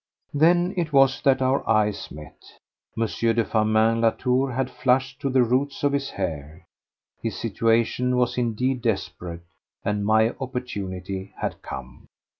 Then it was that our eyes met. M. de Firmin Latour had flushed to the roots of his hair. His situation was indeed desperate, and my opportunity had come.